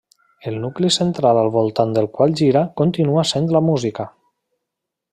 El nucli central al voltant del qual gira continua sent la música.